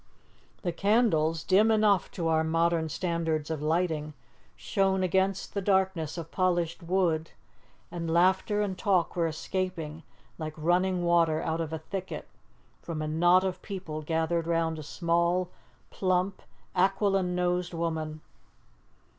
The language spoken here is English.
The candles, dim enough to our modern standards of lighting, shone against the darkness of polished wood, and laughter and talk were escaping, like running water out of a thicket, from a knot of people gathered round a small, plump, aquiline nosed woman.